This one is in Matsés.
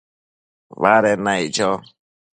baded naic cho